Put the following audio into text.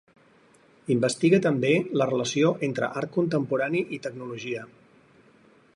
Investiga també la relació entre art contemporani i tecnologia.